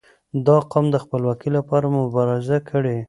• دا قوم د خپلواکي لپاره مبارزه کړې.